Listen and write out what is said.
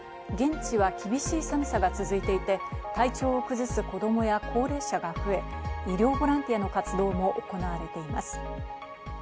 現地は厳しい寒さが続いていて、体調を崩す子供や高齢者が増え、医療ボランティアの活動も行われています。